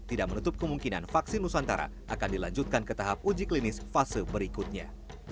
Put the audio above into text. tidak menutup kemungkinan vaksin nusantara akan dilanjutkan ke tahap uji klinis fase berikutnya